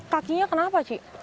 kakinya kenapa cik